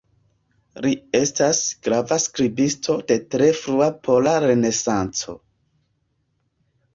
Li estas grava skribisto de tre frua pola renesanco.